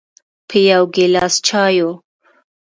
په یو ګیلاس چایو